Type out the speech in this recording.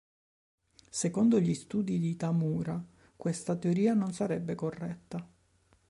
Secondo gli studi di Tamura, questa teoria non sarebbe corretta.